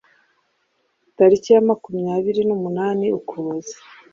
Tariki ya makumyabiri n’umunani Ukuboza